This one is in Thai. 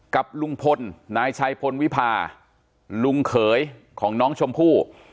กับลุงพลนายชัยพลวิพาลุงเขยของน้องชมพู่